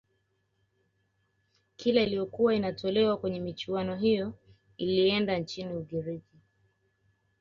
kila iliyokuwa inatolewa kwenye michuano hiyo ilienda nchini ugiriki